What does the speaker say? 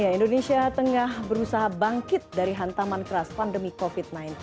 indonesia tengah berusaha bangkit dari hantaman keras pandemi covid sembilan belas